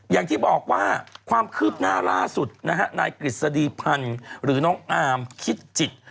อย่างที่บอกว่าความคืบหน้าล่าสุดนะฮะนายกฤษฎีพันธ์หรือน้องอาร์มคิดจิต